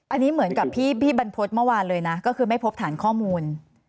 อันนี้เหมือนกับพี่บรรพฤษเมื่อวานเลยนะก็คือไม่พบฐานข้อมูล